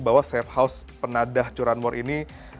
bahwa safe house penadah curian mor ini